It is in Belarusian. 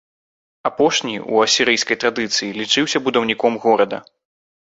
Апошні ў асірыйскай традыцыі лічыўся будаўніком горада.